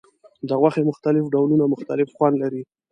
د غوښې مختلف ډولونه مختلف خوند لري.